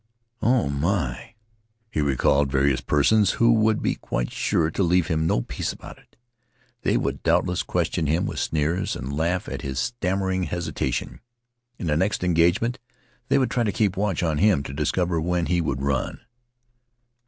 Oh, my!" He recalled various persons who would be quite sure to leave him no peace about it. They would doubtless question him with sneers, and laugh at his stammering hesitation. In the next engagement they would try to keep watch of him to discover when he would run.